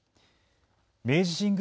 明治神宮